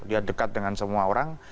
dia dekat dengan semua orang